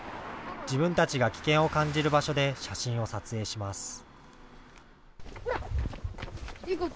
自分たちが危険を感じる場所で写真を撮影します。